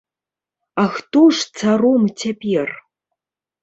А хто ж царом цяпер?